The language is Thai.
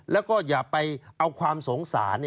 แล้วก็อย่าไปเอาความสงสาร